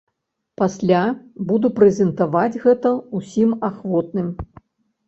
Пасля буду прэзентаваць гэта ўсім ахвотным.